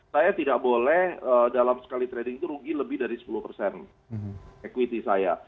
saya tidak boleh dalam sekali trading itu rugi lebih dari sepuluh persen equity saya